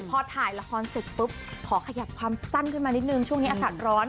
พอถ่ายละครเสร็จปุ๊บขอขยับความสั้นขึ้นมานิดนึงช่วงนี้อากาศร้อน